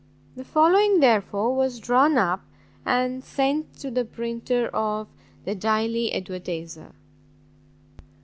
The following, therefore, was drawn up and sent to the printer of the Daily Advertiser.